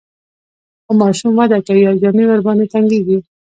خو ماشوم وده کوي او جامې ورباندې تنګیږي.